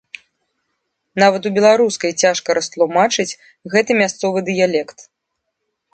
Нават у беларускай цяжка растлумачыць гэты мясцовы дыялект.